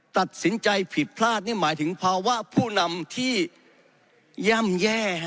ตัดสินใจผิดพลาดนี่หมายถึงภาวะผู้นำที่ย่ำแย่